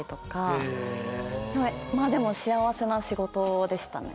まあでも幸せな仕事でしたね。